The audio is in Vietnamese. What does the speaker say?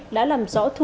đã làm rõ thủ